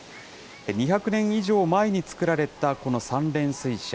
２００年以上前に作られた、この三連水車。